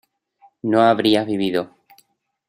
no habrías vivido